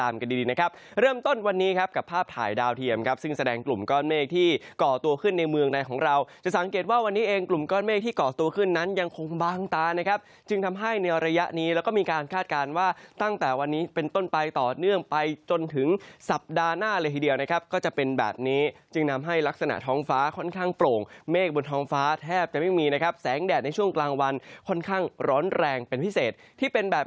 เมฆที่เกาะตัวขึ้นนั้นยังคงบางตานะครับจึงทำให้ในระยะนี้แล้วก็มีการคาดการณ์ว่าตั้งแต่วันนี้เป็นต้นไปต่อเนื่องไปจนถึงสัปดาห์หน้าเลยทีเดียวนะครับก็จะเป็นแบบนี้จึงนำให้ลักษณะท้องฟ้าค่อนข้างโปร่งเมฆบนท้องฟ้าแทบจะไม่มีนะครับแสงแดดในช่วงกลางวันค่อนข้างร้อนแรงเป็นพิเศษท